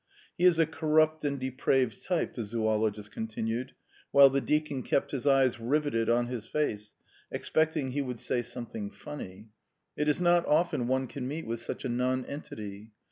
"He is a corrupt and depraved type," the zoologist continued, while the deacon kept his eyes riveted on his face, expecting he would say something funny. "It is not often one can meet with such a nonentity.